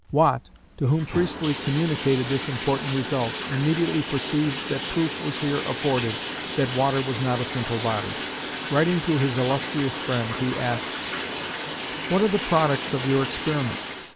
Watt, to whom Priestley communicated this important result, immediately perceived that proof was here afforded that water was not a simple body. Writing to his illustrious friend, he asks: What are the products of your experiment?